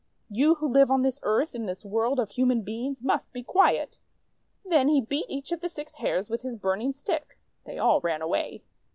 You who live on this earth, in this world of human beings, must be quiet." Then he beat each of the six Hares with his burning stick. They all ran away.